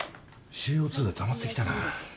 ＣＯ２がたまってきたな。